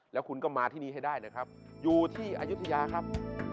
แล้วคุณก็มาที่นี่ให้ได้นะครับอยู่ที่อายุทยาครับ